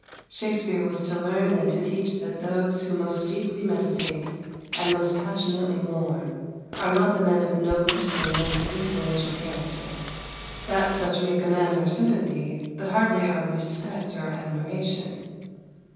Shakspere was to learn and to teach that those who most deeply meditate and most passionately mourn are not the men of noblest or most influential character that such may command our sympathy, but hardly our respect or admiration.